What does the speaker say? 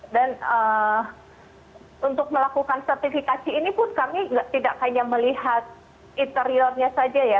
dan untuk melakukan sertifikasi ini pun kami tidak hanya melihat interiornya saja ya